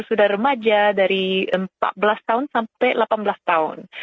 sudah remaja dari empat belas tahun sampai delapan belas tahun